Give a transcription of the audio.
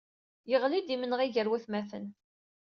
Yeɣli-d imenɣi ger watmaten.